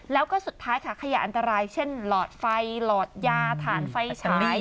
แล้วก็สุดท้ายค่ะขยะอันตรายเช่นหลอดไฟหลอดยาฐานไฟฉาย